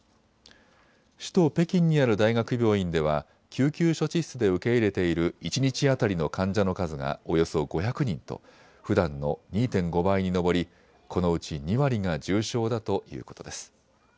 首都・北京にある大学病院では救急処置室で受け入れている一日当たりの患者の数がおよそ５００人とふだんの２．５倍に上り、このうち２割が重症だということです。